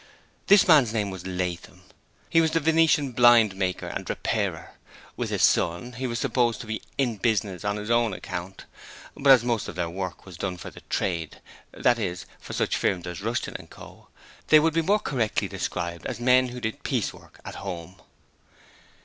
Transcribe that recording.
This man's name was Latham; he was a venetian blind maker and repairer. With his son, he was supposed to be 'in business' on his own account, but as most of their work was done for 'the trade', that is, for such firms as Rushton & Co., they would be more correctly described as men who did piecework at home.